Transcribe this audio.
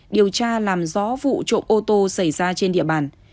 điều tra làm rõ vụ trộm ô tô xảy ra trên địa bàn